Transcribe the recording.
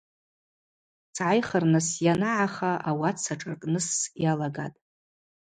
Сгӏайхырныс йанагӏаха ауат сашӏаркӏныс йалагатӏ.